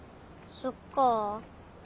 そっか。